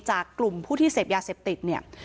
จากกลุ่มผู้ที่เสพยาเสพติดเนี่ย